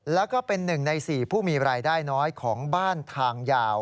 แล้วก็เป็น๑ใน๔ผู้มีรายได้น้อยของบ้านทางยาว